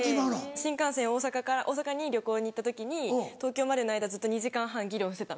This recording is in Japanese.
新幹線大阪から大阪に旅行に行った時に東京までの間ずっと２時間半議論してたみたいな。